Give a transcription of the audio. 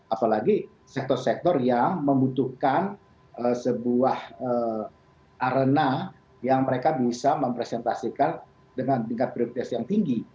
apalagi sektor sektor yang membutuhkan sebuah arena yang mereka bisa mempresentasikan dengan tingkat prioritas yang tinggi